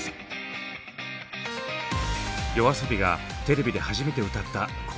ＹＯＡＳＯＢＩがテレビで初めて歌った「紅白」。